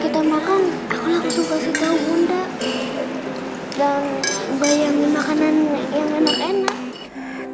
dan bayangin makanan yang enak enak